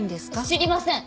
知りません！